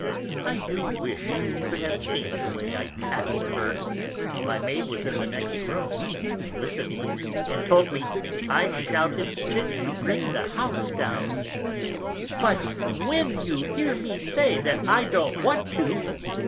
I do wish you could have seen the way I tackled her; my maid was in the next room, listening, and told me I shouted fit to bring the house down: 'But when you hear me say that I don't want to!